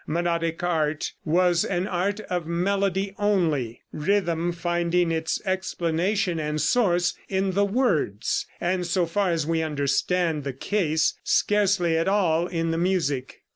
Monodic art was an art of melody only, rhythm finding its explanation and source in the words, and so far as we understand the case, scarcely at all in the music.